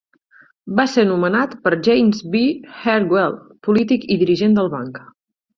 Va ser nomenat per James B. Heartwell, polític i dirigent del banc.